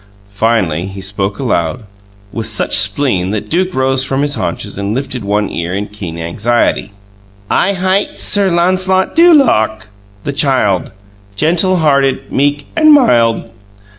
Finally he spoke aloud, with such spleen that Duke rose from his haunches and lifted one ear in keen anxiety. "'I hight Sir Lancelot du Lake, the Child, Gentul hearted, meek, and mild.